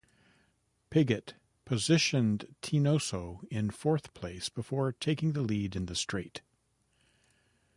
Piggott positioned Teenoso in fourth place before taking the lead in the straight.